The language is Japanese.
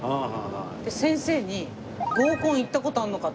先生に合コン行った事あるのかって聞かれてて。